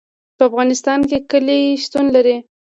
په افغانستان کې کلي شتون لري.